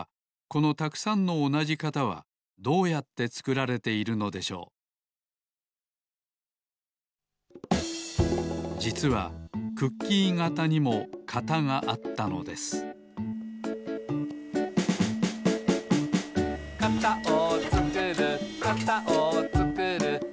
このたくさんのおなじ型はどうやってつくられているのでしょうじつはクッキー型にも型があったのですはい